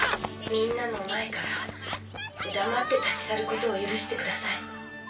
みんなの前から黙って立ち去ることを許してください